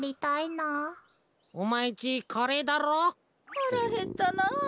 はらへったな。